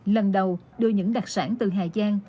lần đầu đưa những đặc sản từ hà giang